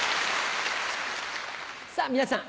さぁ皆さん